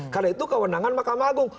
karena itu kewenangan makam agung